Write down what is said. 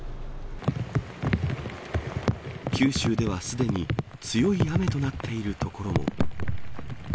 九州ではすでに強い雨となっている所も。